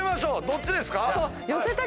どっちですか？